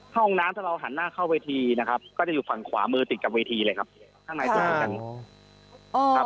ห้องน้ำถ้าเราหันหน้าเข้าเวทีนะครับก็จะอยู่ฝั่งขวามือติดกับเวทีเลยครับ